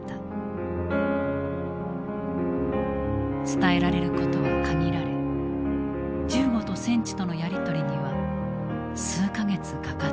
伝えられることは限られ銃後と戦地とのやり取りには数か月かかった。